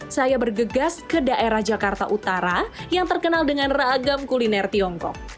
saya bergegas ke daerah jakarta utara yang terkenal dengan ragam kuliner tiongkok